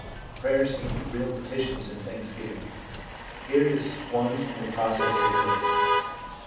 Prayers seemed real petitions and thanksgiving.' Here is one in the process of making.